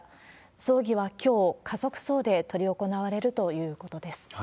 葬儀はきょう、家族葬で執り行われるということです。